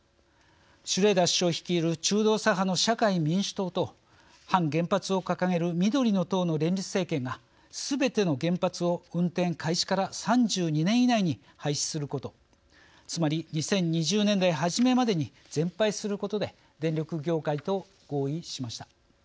シュレーダー首相率いる中道左派の社会民主党と反原発を掲げる緑の党の連立政権がすべての原発を運転開始から３２年以内に廃止することつまり２０２０年代初めまでに全廃することで電力業界と合意しました。